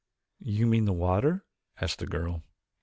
"You mean the water?" asked the girl.